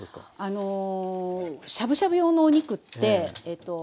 あのしゃぶしゃぶ用のお肉ってえっと